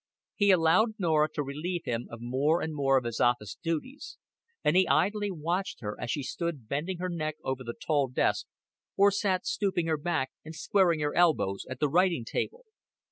He allowed Norah to relieve him of more and more of his office duties, and he idly watched her as she stood bending her neck over the tall desk or sat stooping her back and squaring her elbows at the writing table.